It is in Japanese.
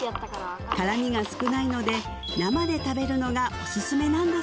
辛みが少ないので生で食べるのがオススメなんだ